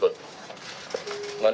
untuk membacakan selebihnya